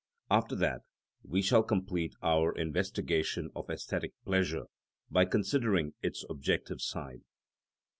After that we shall complete our investigation of æsthetic pleasure by considering its objective side.